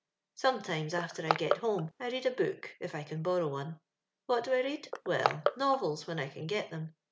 " Sometimes, after I get home, I read a book, if I can borrow one. What do I read? Well, novels, when I can get them.